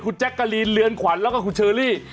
แจ๊กกะลีนเรือนขวัญแล้วก็คุณเชอรี่